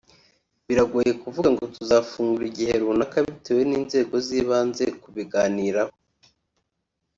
Biragoye kuvuga ngo tuzafungura igihe runaka bitewe n’inzego z’ibanza kubiganiraho